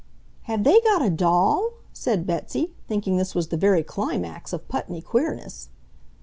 "Have they got a DOLL?" said Betsy, thinking this was the very climax of Putney queerness.